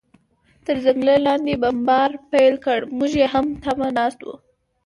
تر ځنګله لاندې بمبار پیل کړ، موږ یې هم تمه ناست و.